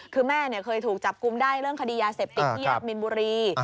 คือแม่เคยถูกจับกุมได้เรื่องคดียาเสพติดที่แยกมินบุรี